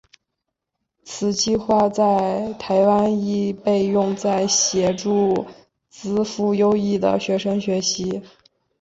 此计画在台湾亦被用在协助资赋优异的学生学习。